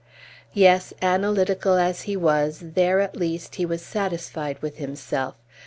Yes, analytical as he was, there at least he was satisfied with himself.